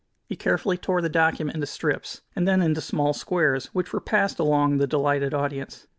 He carefully tore the document into strips, and then into small squares, which were passed along the delighted audience.